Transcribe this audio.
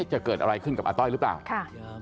จะเกิดอะไรขึ้นกับอาต้อยหรือเปล่าค่ะ